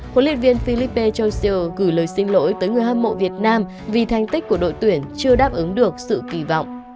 hội liên viên philippe châu siêu gửi lời xin lỗi tới người hâm mộ việt nam vì thành tích của đội tuyển chưa đáp ứng được sự kỳ vọng